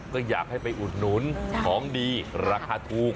ก็อยากให้ไปอุดหนุนของดีราคาถูก